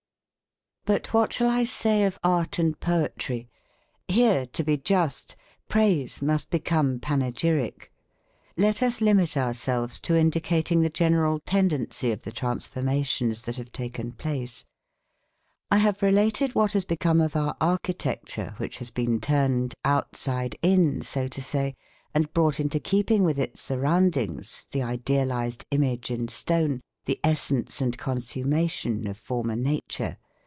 But what shall I say of art and poetry? Here to be just, praise must become panegyric. Let us limit ourselves to indicating the general tendency of the transformations that have taken place. I have related what has become of our architecture which has been turned "outside in", so to say, and brought into keeping with its surroundings, the idealised image in stone, the essence and consummation of former Nature.